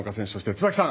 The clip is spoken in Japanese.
椿さん